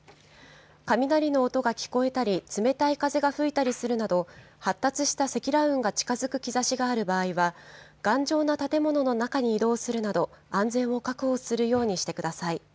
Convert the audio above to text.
雷の音が聞こえたり、冷たい風が吹いたりするなど、発達した積乱雲が近づく兆しがある場合は、頑丈な建物の中に移動するなど、安全を確保するようにしてください。